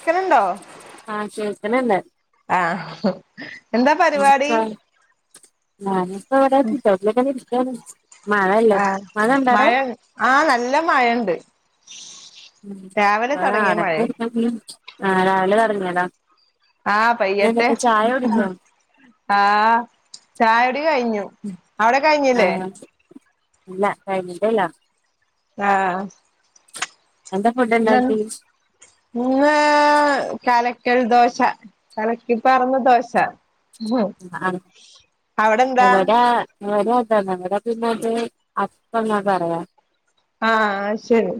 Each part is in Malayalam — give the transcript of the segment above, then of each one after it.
ക്കന്ണ്ടോ ആഹ് കേൾക്കണണ്ട് ആഹ് എന്താ പരിപാടി നാന് പ്പവടെ സിറ്റൗട്ടിലിങ്ങനെ ഇരിക്കാണ് മഴയല്ലേ ആ ഉണ്ടോടെ മഴ ആ നല്ല മഴണ്ട് ഉം രാവിലെ അ തൊടങ്ങിയ മഴേ അടക്ക് [unintelligible] ആ രാവിലെ തൊടങ്ങീതാ ആ പെയ്യട്ടെ കുടിച്ചോ ആ ചായുടി കഴിഞ്ഞു അവടെ കഴിഞ്ഞില്ലേ ആഹ് ഇല്ല കഴിഞ്ഞിട്ടില്ല ആ എന്താ ഫുഡ് ഇന്നെ ഉണ്ടാക്കി ഇന്ന് കല കൽ ദോശ കലക്കി പാർന്ന ദോശ ഉവ്വ് ആഹ് അവടെന്താ ഇവടെം അതെന്നെ ഇവടെ പിന്നത് അപ്പന്ന പറയാ ആ അശരി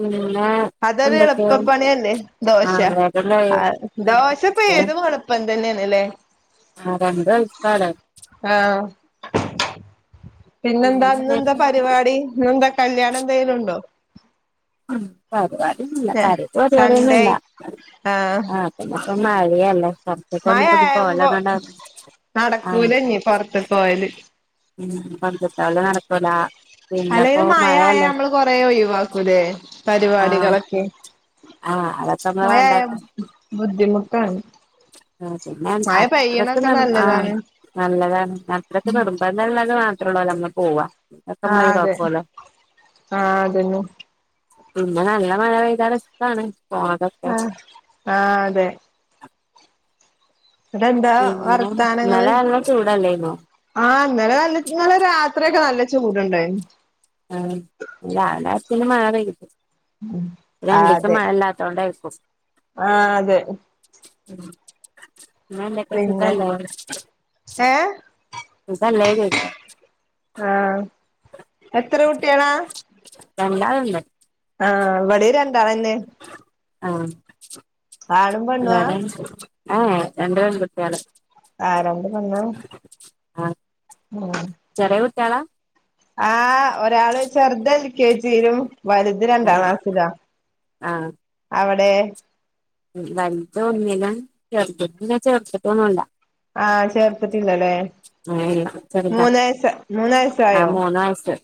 പിന്നെ അതൊരു എന്തൊക്കെയ എളുപ്പപ്പണിന്നെ ദോശ ആഹ് വേഗം ആ കഴിയും ദോശപ്പ ഏതും എളുപ്പംന്നെ തന്നെണ്ല്ലേ ആ പണ്ടും ആയി ആ പിന്നെന്താ പിന്നെ ഇന്ന് എന്താ പരിപാടി ഇന്ന് എന്താ കല്യാണം എന്തെലും ഉണ്ടോ ഉം പരിവാടി ഒന്നൂല്ല കാര്യായിട്ട് സൺഡേ പരിപാടിന്നുംല്ല ആഹ് ആ പിന്നെ ഇപ്പ മഴല്ലേ മഴ പൊറത്തിക്കുന്നുംപ്പധികം ആവുമ്പോ പോലെകണ്ടാണ് ആഹ് നടക്കൂല ഇനി പൊറത്ത്ക്ക് പോവല് ഉം പണ്ടത്തോലെ നടക്കൂല പിന്നെപ്പോ അല്ലെലും മഴ ആയാ മഴയല്ലേ നമ്മള് കൊറേ ഒയിവാക്കൂല്ലെ ആഹ് പരിപാടികളൊക്കെ ആഹ് അതൊക്കെ നമ്മള് മയായ വേണ്ടാക്കും ബുദ്ധിമുട്ടാണ് ആ പിന്നെ മഴ അത്രക്ക് പെയ്യണൊക്കെ ന ആ നല്ലതാണ് നല്ലതാണ് അത്രക്ക് നിർബന്ധള്ളത് മാത്ര ഉള്ളൂ നമ്മള് പോവാ അക്കെ ആഹ് നമ്മളെ അതെ കൊഴക്കൂലോ ആഹ് അതന്നെ പിന്നെ നല്ല മഴ പെയ്താ റിസ്‌ക്കാണ് ആ ആ അതെ. വിടെന്താ പിന്നെ വർത്താനങ്ങള്? ഇന്നലെ നല്ല ചൂടല്ലേന്നോ ആ ഇന്നലെ നല്ല ഇന്നലെ രാത്രിയൊക്കെ നല്ല ചൂട്ണ്ടാരുന്നു. ആഹ് രാവിലെ പിന്നെ മഴ പെയ്ത് രണ്ടുസം മഴ ഇല്ലാത്തകൊണ്ടായ്ക്കും. ആ അതെ. പിന്നെന്തെക്കെയാ പിന്നെ സുഖല്ലേ? ഏ സുഖല്ലേ ചോയ്ച്ച. ആ എത്ര കുട്ടികളാ? രണ്ടാള്ണ്ട്. ആ ഇവിടെ രണ്ടാളന്നെ. ആ ആണും പെണ്ണുവാ ഇവടെ ആ ഏ രണ്ട്പെൺകുട്ടികള്. ആ രണ്ട് പെണ്ണാ? ആ ആ ട്ട്യാള? ആ ഒരാള് ചെറുതേൽക്കെജിലും വലുത് രണ്ടാം ക്ലാസിലാ അവടെ? വലുതൊന്നിലും ചെറുതിനെ ചേർത്തിട്ടൊന്നുല്ല. ആ ചേർത്തിട്ടില്ലലേ? അങ്ങനെയില്ല ചെറുതാ മൂന്നയസ് ആ മൂന്നയസായോ? മൂന്ന് വയസ്സ്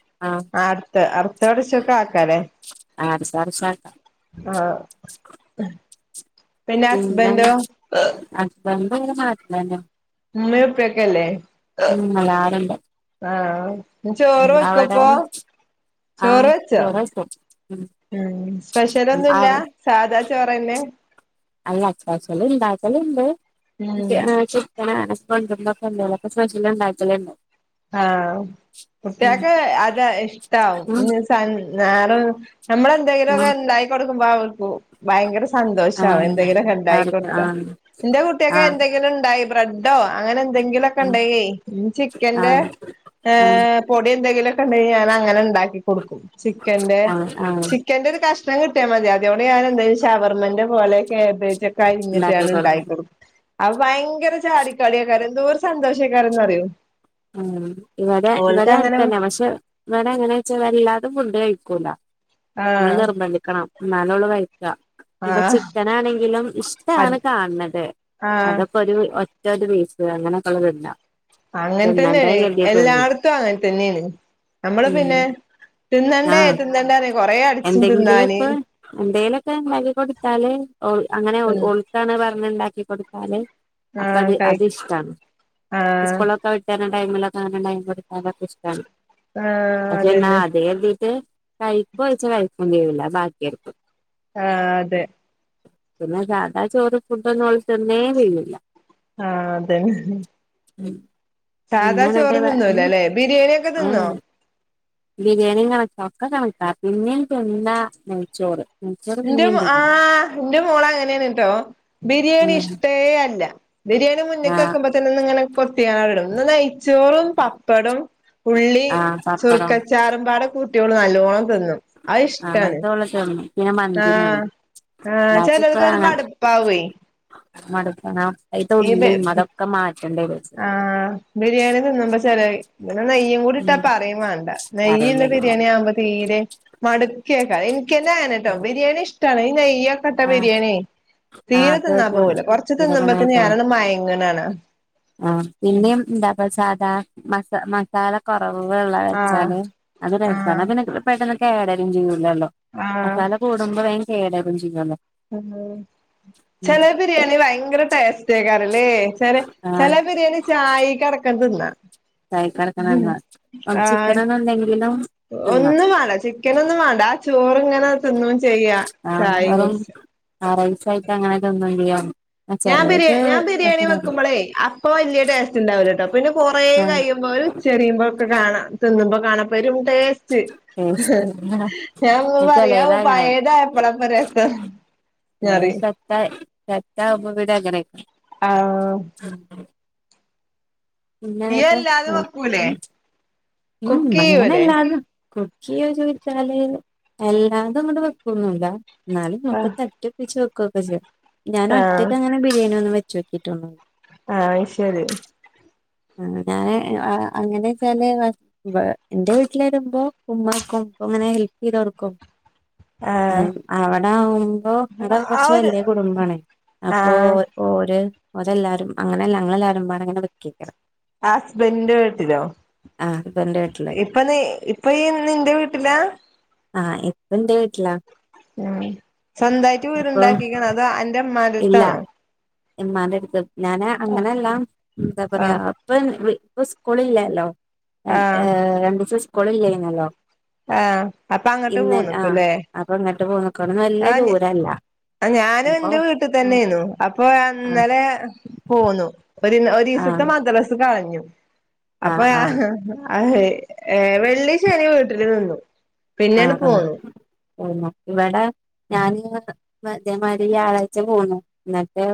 ആ അടുത്ത അടുത്തർഷൊക്കെ ആക്കാലേ? ആർഷ ആർഷാക്ക ആ പിന്നെ ഹസ്ബൻഡോ [unintelligible] ഉമ്മെപ്പെക്കെല്ലേ? ഉം എല്ലാരുണ്ട് ആ നിച്ചോറ് അവിടെ വെക്കപ്പ? ആ ചോറാഴിച്ചോ ഉം. ഉം സ്പെഷ്യലൊന്നുല്ല സാധാ ചോറന്നെ? അല്ലാ സ്പെഷ്യല്ണ്ടാക്കലുണ്ട് ഉം ആ ചിക്കനാണ്. [unintelligible] അപ്പ സ്പെഷ്യല്ണ്ടക്കല്ണ്ട് ആ കുട്ടികൾക്ക് അത് ഉം ഇഷ്ടാവും ഉം നമ്മളെന്തെങ്കിലുക്കെ ഇണ്ടാക്കികൊടു ക്കുമ്പവർ ഭയങ്കര സന്തോഷാവും ആർക്ക് എന്തെങ്കിലൊക്കെ ആ ഇണ്ടായി കൊടുത്താ ആ എന്റെ കുട്ടിയൊക്കെ ആ എന്തെങ്കിലും ഇണ്ടായി ബ്രെഡോ അങ്ങനെ എന്തെങ്കിലുക്കെ ഇണ്ടേയ് ചി ആ ഏ പൊടി എന്തെങ്കിലൊക്കെ ഉണ്ടെങ്കി ഞാനങ്ങനെ ഇണ്ടാക്കി കൊടുക്കും ചിക്കന്റെ ആ ആ ചിക്കന്റെ ഒരു കഷ്ണം കിട്ടിയ മതി അതോടെ ഞാനന്താച്ചാ ശവർമന്റെ പോലൊക്കെ കേബേജെ കഴിഞ്ഞിട്ട് ഉണ്ടാക്കി കൊടുക്കും ഞാനണ്ടായികൊടുക്കും. അവയങ്കര ചാടിക്കളിയൊക്കാണ് എന്തോര് സന്തോഷാക്കണന്നറിയോ. ഉം ഇവിടെ ഇവിടെ ആയിത്തന്നെ പഷെ ഇവിടെ എങ്ങനെച്ചാ വല്ലാതും ഫുണ്ട് കഴിക്കും. ക്കൂല മ്മള് ആഹ് നിർബന്ധിക്കണം എന്നാലൊള്ളൂ കഴിക്ക. ഇപ്പ ആഹ് ചിക്കനാണെങ്കിലും അത് ഇഷ്ടാണ് കാൻണത് ആഹ് അതൊക്കൊരു ഒ റ്റൊരു പീസ് അങ്ങനൊക്കോള് തിന്നാ. അങ്ങനെതന്നാണ് എല്ലാർത്തും അങ്ങനെ തന്നെണ് നമ്മള് ഉം പിന്നെ ആ തിന്നെണ്ടേ തിന്നെണ്ടേറയും. എന്തെങ്കിലും ഇപ്പോ എന്തേലൊക്കെ ഇണ്ടാക്കി കൊടുത്താല് ഓ അങ്ങനെ ഉം ഓൾക്കാണ് പറഞ്ഞണ്ടാക്കി ക്കി കൊടുത്താല് അപ്പ ആഹ് അത് കഴി അതിഷ്ട്ടാണ് ആഹ് സ്കൂളൊക്കെ വിട്ടരണ ടൈമിലൊക്കങ്ങനെ ഒണ്ടാക്കി കൊടുത്താതൊക്കെ ഇഷ്ട്ടാണ് ആഹ് പക്ഷെ എന്നാ അതന്നെ അതെരുതീട്ട് കഴിക്കോയ്ച്ച കഴിക്കോം ചെയ്യില്ല ബാക്കിയർക്കും. ആ അതെ. പിന്നെ സദാ ചോറ് ഫുഡ് ഓള് തിന്ന് തന്നെ ചെയ്യില്ല ആ അതെ ഉ പിന്നെ നല്ല താ മ് തിന്നൂലല്ലേ ബിരിയാണി ഒക്കെ ആ തിന്നോ [unintelligible] ബിരിയാണി കണക്കാ ഒക്കെ കണക്കാ പിനിം തിന്ന നെയ്ച്ചോറ് നെയ്ച്ചോറ് എന്റെ പിന്നേം ആ തിന്നും എന്റെ മോള് അങ്ങനെയാണ് കേട്ടോ ബിരിയാണി ആഹ് ഇഷ്ടേ അല്ല ബിരിയാണി മുന്നേക്ക് വക്കുമ്പത്തന്നെ ന്നിങ്ങിനെ കൊത്തി [unintelligible] ഒന്ന് നെയ്ച്ചോറും പപ്പടും ഉള്ളി ആഹ് പപ്പടം ചുറുക്കച്ചാറും പാടെ കൂ ട്ടി ഓള് നല്ലോണം തിന്നു. ആ അങ്ങനതോള [unintelligible] ആഹ് ആഹ് പിന്നെ ചെലർക്ക് അത് മടുപ്പാവേ [unintelligible] അതിത്തെ ഉള്ളിയും അതൊക്കെ മാ ആ ബിരിയാണി തിന്നുമ്പോ ചെലര് [unintelligible] നെയ്യും കൂടി ഇട്ടാ പറയും വേണ്ട കറിയും നെയ്യ്ള്ള വരില്ല ബിരിയാണി ആകുമ്പോ തീരെ മടു കേക്കാ എനിക്കനെഅനെട്ടോ ബിരിയാണി ഇഷ്ടാണ് ഈ നെയ്യ്ക്കെട്ട ആ ബിരിയാണിയേ ആ തീരെ അത് തിന്നാൻ പോവുല കൊറച്ച് ജീരകം തിന്നുമ്പത്തന്നെ വെളുത്തുള്ളി ഞാനങ്ങ് മയങ്ങനാണ്. ആ പിന്നെയും എന്താപ്പ സാധാ മസ മസാല പ വെള്ള ആഹ് വെച്ചാല് അത് ആഹ് രസമാണ് പിന്നെ പെട്ടെന്ന് കേടരും ചെയ്യും ല്ലല്ലോ ആഹ് മസാല കൂടുമ്പോ വേം കേടാകും ചെയ്യല്ലോ. കണ്ടോളി ചില ബിരിയാണി ഭയങ്കര ടേസ്റ്റ് ആയിക്കാറില്ലേ ചില ആ ചില ബിരിയാണി ചായികെ വെക്കാം തിന്നാം തായിക്കടക്കണംണ്ടാ ആഹ് വംസിക്കണന്നുണ്ടെങ്കിലും ഒന്നും വേണ്ട ചിക്കൻ ഒന്നും വേണ്ട ചോറ് ഇങ്ങനെ തിന്നുവേം ചെയ്യാ ആ ചായയും വെറും കുടിച്ച് ആ റൈസ് ആയിട്ട് അങ്ങനെ തിന്നും ചെയ്യാം ഞാൻ ബിരി ചെലത് ഞാൻ ബിരിയാണി ആ വെക്കുമ്പോളേ അപ്പൊ വല്യ ടേസ്റ്റ് ഉണ്ടാവലട്ടോ പിന്നെ കുറേ കയിയുമ്പോ ര് ചെറിയുമ്പോക്കെ കാണാം തിന്നുമ്പോ കാണപ്പെരും ടേസ്റ്റ് ടേസ്റ്റ് ഞാൻ ഒന്ന് പറയാ ചെലത് അങ്ങനെ പയയതാപ്പളാ പ്പരസം. അത് സത്ത സത്താവുമ്പോ പിന്നങ്ങനെ ആ ഇയ്യ് ഇങ്ങനക്കെ അല്ലാതെ പോണ് വെക്കൂലേ കുക്ക് ചെയ്യൂലേ അങ്ങനെല്ലാതും കുക്ക് യ്യോ ചോദിച്ചാല് എല്ലാതും അങ്ങോട് വെക്കൊന്നും ല്ല എന്നാലും ഒക്കെ ആഹ് തട്ടിപ്പിച്ച് വെക്കുവൊക്കെ ചെയ്യും ഞാൻ ആഹ് ഒറ്റക്ക് അങ്ങനെ ബിരിയാണി ഒന്നും വയ് ചൊക്കീട്ടൊന്നും ആ ശരി ആ ഞാൻ അ അങ്ങനെ ച്ചാല് പ എന്റെ വീട്ടിൽ വരുമ്പോ ഉമ്മാക്കും അപ്പൊ അങ്ങനെ ഹെൽപ് ചെയ്തോടുക്കും. ആ അവിടെ ആവുമ്പോ അവിടെ ആ കുറച്ച് ഒരു വലിയ കുടുംബാണേ അപ്പൊ ആഹ് ഓ ഓര് അതെല്ലാരും അങ്ങനെല്ല അങ്ങളെല്ലാരും ഉമ്മാനെ കൊണ്ടാ വെക്കിക്കണ് ഹസ്ബൻഡിന്റെ വീട്ടിലോ ആ ഹസ്ബൻഡ് വീട്ടില് ഇപ്പ നീ ഇപ്പ ഈ നിന്റെ വീട്ടിലാ ആ ഇപ്പ എന്റെ വീട്ടിലാ സ്വന്തായിട്ട് ഇപ്പൊ വീടുണ്ടാക്കിക്കെണോ അതോ അന്റെ അമ്മാന്റെടുത്താണോ. എമാന്റെ അടുത്ത് ഞാന് അങ്ങനെല്ലാ എന്താ പറയാ ആഹ് ഇപ്പം ഇപ്പം സ്കൂള് ഇല്ലല്ലോ ര അ ആഹ് രണ്ട് ദിവസം സ്കൂള് ഇല്ലായിരുന്നല്ലോ ആഹ് അപ്പൊ അങ്ങട്ട് ഇന്ന് ആ പോന്ന്ക്കുല്ലേ അപ്പൊ ഇങ്ങോട്ട് പോന്നു ക്ക് വല്യ ദൂരല്ല. അ ഞാനും ഇപ്പൊ എന്റെ വീട്ടിൽ ആഹ് തന്നെയാന്നു അപ്പൊ ആഹ് അന്നലെ പോന്നു. ഒരു ഒരു ദിവസത്തെ മദ്രസ് കളഞ്ഞു അപ്പൊ ആഹ് ഞാ ആഹ് അഹേ ഏ വെള്ളി ശനി വീട്ടില് നിന്നു ആ പിന്നെയാണ് ആ പോന്നു ന്ന ഇവിടെ ഞാനന്ന് ഇതേമാരി വ്യാഴാഴ്ച പോന്നു ന്ന്ട്ട്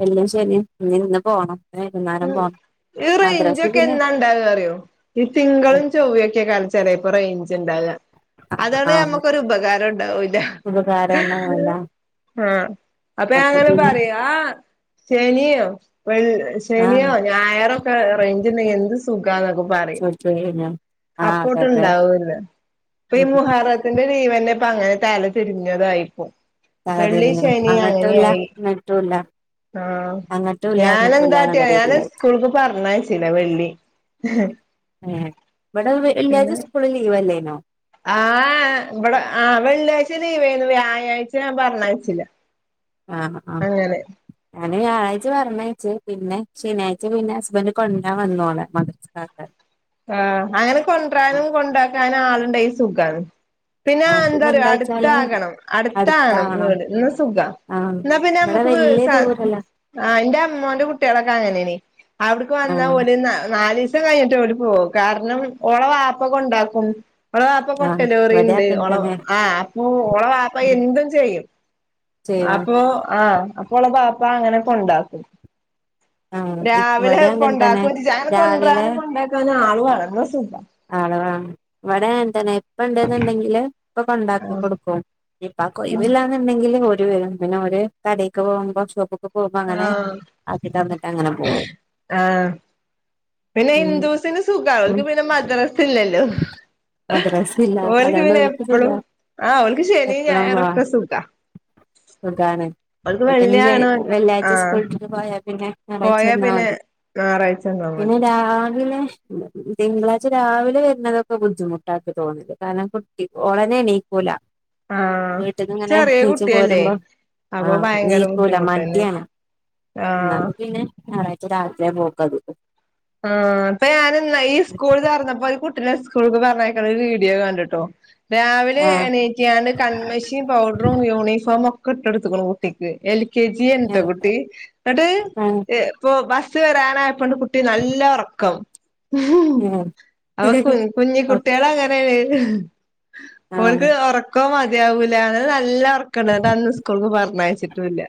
വെള്ളീം ശനിം ഇഞ്ഞിന്ന് പോണം വൈകുന്നേരം പോണം ഈ മദ്രസ് റെയിഞ്ച്ക്കെ പിന്നെ എന്നാണ്ടാവാറിയോ ഈ തിങ്കളും ചൊവ്വക്കെയ്കാരം ചേലെ ണ്ടാക ആഹ് അതാണേ ആഹ് നമ്മക്കൊരു ഉപകാരം ഉണ്ടാവൂല ഉപകാരം ഉണ്ടാവൂല ആ അപ്പൊ അപ്പഞാനങ്ങനെ പിന്നെ പറിം ആ ശനിം ശനി ആഹ് ഞായറൊക്കെ റെയിഞ്ച്ണ്ടെങ്കി എന്ത് സുഖന്നൊക്കെ പറിം ചോദിച്ചഴിഞ്ഞാ ആഹ് അതെ അതെ അപ്പോട്ട്ണ്ടാവുല്ല ഇപ്പി ഉം മുഹറത്തിന്റെ നീവെന്നേ പ്പങ്ങനെ തല തിരിഞ്ഞതായിപ്പോ വെള്ളി സാഹചര്യങ്ങൾ ശനി അങ്ങട്ടുല്ല അങ്ങനെയായി ഇങ്ങട്ടുല്ല ആ അങ്ങട്ടുല്ല ഇങ്ങട്ടുല്ല ഞാനെന്താ ല്ല എന്നുള്ള ഞാനയ്ന് രീതിയിലായി സ്കൂൾക്ക് പറഞ്ഞയ് ച്ചീല വെള്ളി ഏ ഇവടെ വെള്ളിയാഴ്ച പിന്നെ സ്കൂള് ലീവല്ലേനോ ആ ആ ഇവടെ ആ വെള്ളിയാഴ്ച ലീവേന്നു വ്യാഴാഴ്ച ഞാൻ പറഞായ്ച്ചീല ആ ആ അങ്ങനെ വ്യാഴാഴ്ച പറഞ്ഞയഴച്ചു പിന്നെ ശനിയാഴ്ച പിന്നെ ഹസ്ബൻഡ് കൊണ്ടാൻ വന്നോളെ മദർസ്ക്കാകാൻ ആ അങ്ങനെ കൊണ്ട്രാനും കൊണ്ടാക്കാനും ആള്ണ്ടെങ്കി സുഖാണ് പിന്നെ ആ ആഹ് എന്താറിയോ എന്താച്ചാല് അടുത്താകണം അടുത്ത ആണം അടുത്താവണം വീട് ഇന്നാ സുഖാ ആഹ് ഇന്നാ പിന്നെ ഇവിടെ നമ്മുക്ക് വീ വല്യ സ ദൂരല്ല ആ ന്റെ മ്മോന്റെ കുട്ടികളൊക്കെ അങ്ങനെനി അവിട്ക്ക് വന്നാ ആഹ് ഓല് ന്നാ നാലീസം കഴിഞ്ഞിട്ടെ ഓല് ഓ കാരണം ഓള വാപ്പക്കെണ്ടാക്കും ഓളവാപ്പ ആഹ് ഇവിടെ കൊട്ടലോറിണ്ട് അങ്ങൻ ഓള തന്നെ ആ അപ്പൊ ഓളവാപ്പ എന്തും ചെയ്യും ചെയ്യണം അപ്പോ ആ അപ്പോളെ ബാപ്പ അങ്ങനാണ്ട് കൊണ്ടാക്കും ആഹ് രാവിലെ ഇവിടെ അങ്ങൻ തന്നെ കൊണ്ടാകോയ്ച അങ്ങനെ രാവിലെ കൊണ്ടരാനും കൊണ്ടാക്കാനും ആള് വേണം ന്നാ സുഖ ആള് വാണം ഇവിടെ അങ്ങൻതന്നെ ഇപ്പണ്ട്ന്ന്ണ്ടെങ്കില് ഇപ്പ കൊണ്ടാക്കി കൊടുക്കും ഞ്ഞി ഇപ്പാകൊഴിവില്ലാന്ന് ണ്ടെങ്കിൽ വീട്ട് വരും പിന്നെ ഓര് കടേക്ക് പോകുമ്പോ ഷോപ്പ്‌ക്ക് പോക്മ്പോ അങ്ങനെ ആഹ് ന്നിട്ട് അങ്ങനെ പോകും ആഹ് പിന്നെ ഉം ഹിന്ദുസിന് സുഖാ ഉം ഓല്ക്ക് പിന്നെ മദ്രസില്ലല്ലോ മദ്രസില്ല ഓൽക്ക് അതുകൊണ്ട് പിന്നെ എപ്പളും സുഖാ ആ ഓൽക്ക് ശെനി എപ്പളും വാ ഞായറൊക്കെ സുഖാ സുഖാണ് ഓൽക്ക് ഓൽകിഞ്ഞി ശെനി വെള്ളിയാണ് വെള്ളിയാഴ്ച ആഹ് സ്കൂൾട്ട് ട്ട് പോയാ പിന്നെ പോയാ ഞായറാഴയ്ച്ചന്നാ പിന്നെ മതി ഞായറാഴ്ച ഉണ്ടാവും പിന്നെ മതി രാവിലെ തിങ്കളാഴ്ച രാവിലെ വരുന്നതൊക്കെ ബുദ്ധിമുട്ടായിട്ട് തോന്ന്ണ്ട് കാരണം കുട്ടി ഓളന്നെ എണീക്കൂല ആഹ് വീട്ടിൽന്ന്ങ്ങനെ ചെറിയ നീച് കുട്ടിയല്ലേ പോരുമ്പോ ആ അപ്പൊ ഭയങ്കര നീക്കൂല ബുദ്ധിമുട്ടന്നെ മടിയാണ് ന്ന്ട്ട് ആഹ് പിന്നെ ഞാറാഴ്ച രാത്രിയാ പോക്കത് ആ ഇപ്പൊ ഞാനെന്ന ഈ സ്കൂള് തൊർന്നപ്പോ ഈ കുട്ടി ട്ടിളെ സ്കൂൾക്ക് പറഞ്ഞയ്ക്കണൊരു വീഡിയോ കണ്ട്ട്ടോ രാവിലെ ആഹ് എണീറ്റ്കാണ്ട് കൺമഷിം പൗഡറും യൂണിഫോമും ഒക്കെ ഇട്ടൊട്ത്ത്ക്ക് കുട്ടിക്ക് എൽ കെ ജി ഏനിട്ടോ ആഹ് കുട്ടി ആഹ് ന്ന്ട്ട് സ്സ് വരാനായപ്പണ്ട് കുട്ടി നല്ല ഒറക്കം ഉം അവ കു കുഞ്ഞി കുട്ട്യാളങ്ങനേണ് ഓൽക്ക് ആഹ് ഒറക്കം മാ മദ്യാവൂല ഓന് നല്ല ഓർക്ക്ണതന്ന് സ്കൂൾക്ക് പറഞ്ഞയ്ച്ചിട്ടുല്ല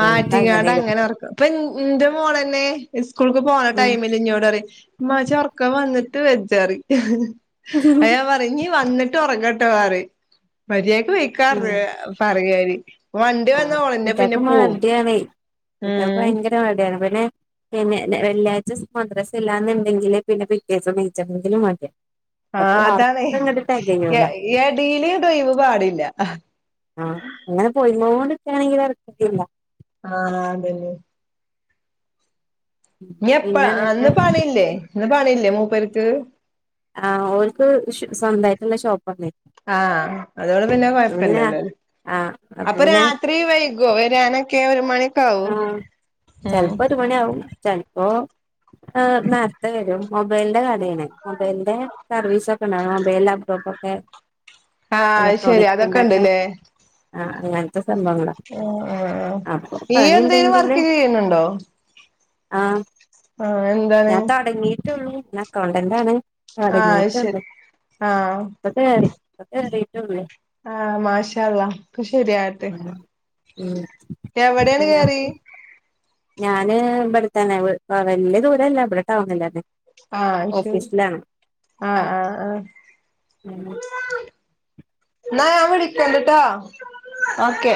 മാറ്റിക്കാണ്ട് അങ്ങനെ ഒർക്കും ഇപ്പി ഇന്റെ മോളന്നെ സ്കൂൾക്ക് പോണ ഉം ടൈമില് ഇന്നോടറിം ഇമ്മാ ചൊർക്കം വന്നിട്ട് വ അയ്ഞാപറിം ഞ്ഞി വന്ന്ട്ട് ഒറങ്ങട്ടോ മര്യാ ജ് പൊയ്ക്കാർഞ്ഞു ഉം പറിം ഞാൻ വണ്ടി വന്ന ആഹ് ഓളന്നെ പിന്നെ പോകും കുട്ട്യാൾക്ക് ഭയങ്കര മടിയാണ് പിന്നെ പിന്നെ ന്നെ വെള്ളിയാഴ്ച മദ്രസില്ലാന്നുണ്ടെങ്കില് പിന്നെ പിറ്റേസം നീചപ്പത്തിന്ന് മടി ആ അതാണേ എടീല് ഡ്രൈവ് പാടില്ല ആ ഇങ്ങനെ പോയ്കോണ്ട്ക്കാ ണെങ്കി തരക്കേടില്ല ആ അതല്ലെ നീ എപ്പ പിന്നെ എന്നിട്ട് ഇന്ന് പണിയില്ലേ ഇന്ന് പണില്ലേ മൂപ്പേർക്ക് ആ ഓല്ക്ക് സ്വന്തായിട്ടുള്ള ഷോപ്പ് ആണ് ആ അതോട് പിന്നെ കുഴപ്പില്ലല്ലോ ആഹ് അപ്പൊ പിന്നെ രാത്രി വൈകോ വരാനൊക്കെ ഒരു മണി ആ ചിലപ്പോ ഒരു മണി ആവും ചിലപ്പോ നേരത്തെ വരും മൊബൈലിന്റെ കടയാണ് മൊബൈലിന്റെ സർവീസ ഒക്കെ ഉണ്ടാണ് മൊബൈൽ ലാപ്ടോപ്പ ഒക്കെ ആ അയ് ശെരി അതൊക്കെ ഇലക്ട്രോണിക്സിന്റെ ഒക്കെ ഇണ്ടല്ലേ ആ അങ്ങനത്തെ സംഭവങ്ങളാ ആ ആ അപ്പൊ ഈ എന്തേിലും പണിണ്ടെങ്കില് വർക്ക് ചെയ്യുന്നുണ്ടോ ആ ആ എന്താണ് ഞാൻ തൊടങ്ങിട്ടുള്ളൂ അക്കൗണ്ടന്റ് ആണ് ആഹ് അത് തുടങ്ങിട്ടുള്ള ശരി ആഹ് ഇപ്പം കയറി ഇപ്പൊ കേറി ആ മാഷാ അള്ളാ ഒക്കെ ശരിയാകട്ടെ ഉം എവിടെയാണ് എന്നാ കേയറി ഞാന് ഇവിടെത്തന്നെ വലിയ ദൂരല്ല ഇവിടെ ടൗണില്ലന്നെ ആ അയ് ശരി ആ ആ ആ ഉം ന്നാ ഞാൻ വിളിക്കണ്ട ട്ടോ ഓക്കേ